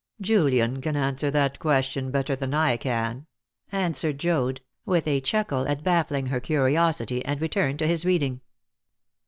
"Julian can answer that question better than I can," answered Joad, with a chuckle at baffling her curiosity, and returned to his reading.